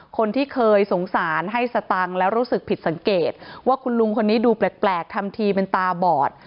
คนที่เคยสงสารให้สตังค์แล้วรู้สึกผิดสังเกตว่าคุณลุงคนนี้ดูแปลกทำทีเป็นตาบอด